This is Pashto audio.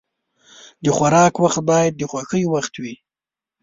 د خوراک وخت باید د خوښۍ وخت وي.